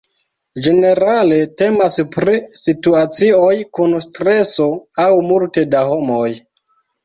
Ĝenerale temas pri situacioj kun streso aŭ multe da homoj.